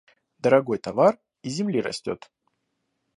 Дорогой товар из земли растет.